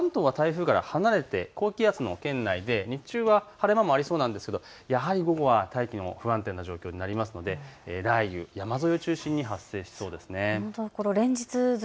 関東は台風から離れて高気圧の圏内で日中は晴れ間もありそうなんですけれどもやはり午後は大気も不安定な状態になりますので雷雨、山沿いを中心に発生しそうです。